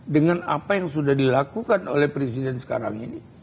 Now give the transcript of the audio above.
dengan apa yang sudah dilakukan oleh presiden sekarang ini